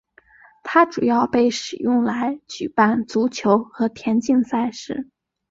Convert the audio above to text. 它主要被使用来举办足球和田径赛事。